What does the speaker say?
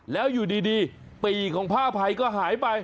แล้วอยู่ดีปี่ของพระอภัยก็หายไป